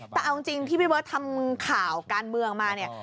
แต่เอาจริงที่พี่เบิร์ตทำข่าวการเมืองมาเนี่ย